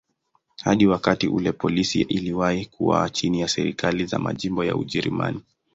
Hadi wakati ule polisi iliwahi kuwa chini ya serikali za majimbo ya Ujerumani.